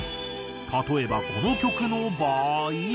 例えばこの曲の場合。